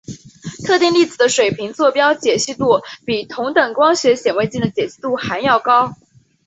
特定粒子的水平座标解析度比同等光学显微镜的解析度还要高。